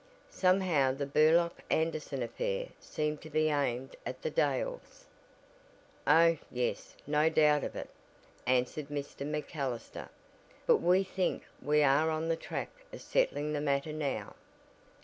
Somehow the Burlock Anderson affair seemed to be aimed at the Dales." "Oh, yes, no doubt of it," answered Mr. MacAllister, "but we think we are on the track of settling the matter now."